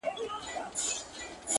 حقيقت د سور تر شا ورک پاتې کيږي تل،